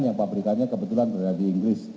yang pabrikannya kebetulan berada di inggris